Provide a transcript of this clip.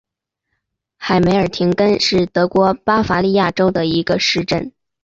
海梅尔廷根是德国巴伐利亚州的一个市镇。